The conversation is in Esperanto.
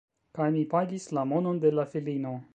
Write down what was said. Kaj mi pagis la monon de la filino